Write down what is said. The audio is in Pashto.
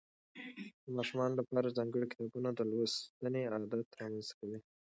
د ماشومانو لپاره ځانګړي کتابونه د لوستنې عادت رامنځته کوي.